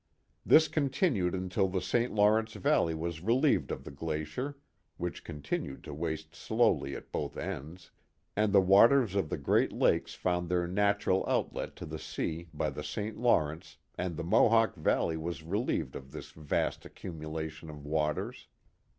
This continued until the St. Lawrence Valley was relieved of the glacier (which continued to waste slowly at both ends), and the waters of the great lakes found their natural outlet to the sea bj the St. Lawrence, and the Mohawk Valley was relieved of this vast accumulation of waters.